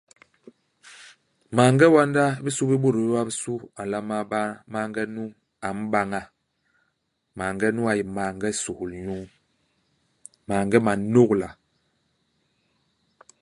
Maange wanda i bisu bi bôt béé ba bisu a nlama ba maange nu a mbaña ; maange nu a yé maange suhul-nyuu ; maange manôgla.